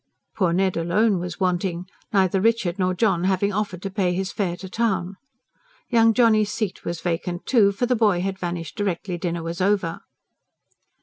Poor Ned alone was wanting, neither Richard nor John having offered to pay his fare to town. Young Johnny's seat was vacant, too, for the boy had vanished directly dinner was over.